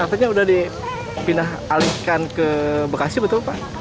artinya sudah dipindahkan ke bekasi betul pak